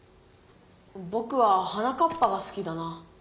ぼくは「はなかっぱ」がすきだな。